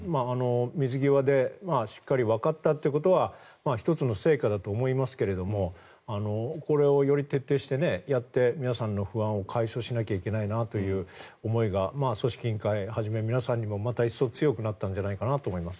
水際でしっかりわかったということは１つの成果だと思いますがこれをより徹底してやって皆さんの不安を解消しなければいけないなという思いが組織委員会はじめ皆さんもまた一層、強くなったんじゃないかなと思います。